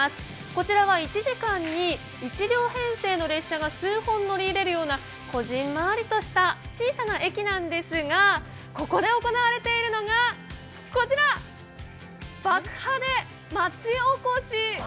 こちらは１時間に１両編成の列車が数本乗り入れるようなこぢんまりとした小さな駅なんですがここで行われているのが、こちら、爆破で町おこし。